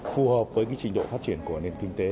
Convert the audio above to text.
phù hợp với trình độ phát triển của nền kinh tế